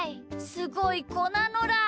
すごいこなのだ！